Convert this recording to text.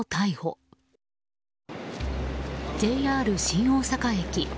ＪＲ新大阪駅。